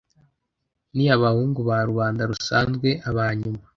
ni abahungu ba rubanda rusanzwe, aba nyuma